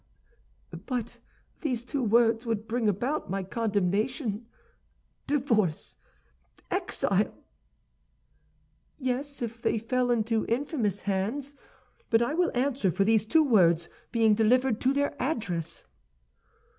"But these two words would bring about my condemnation, divorce, exile!" "Yes, if they fell into infamous hands. But I will answer for these two words being delivered to their address."